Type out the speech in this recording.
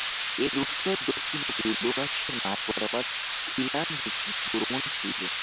এর উত্তর, দক্ষিণ ও পূর্বে পার্শ্বের মাঝ বরাবর খিলানযুক্ত তোরণ ছিলো।